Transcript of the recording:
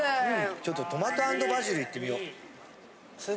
ちょっとトマト＆バジルいってみよ。